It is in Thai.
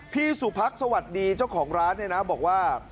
พี่สุพักสวัสดีเจ้าของร้านเนี่ยนะบอกว่า